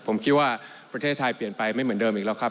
ผมคิดว่าประเทศไทยเปลี่ยนไปไม่เหมือนเดิมอีกแล้วครับ